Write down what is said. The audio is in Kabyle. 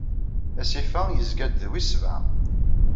Asif-a, yezga-d d wis sebɛa.